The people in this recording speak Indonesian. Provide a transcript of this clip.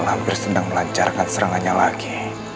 aku hampir senang melancarkan serangannya lagi